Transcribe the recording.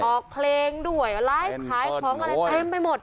ออกเพลงด้วยไลฟ์ขายของอะไรเต็มไปหมด